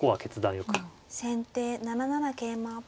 先手７七桂馬。